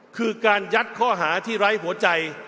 คือการยัดข้อหาที่ไร้หัวใจ